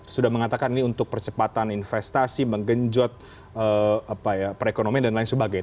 sudah mengatakan ini untuk percepatan investasi menggenjot perekonomian dan lain sebagainya